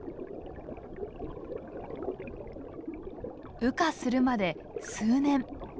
羽化するまで数年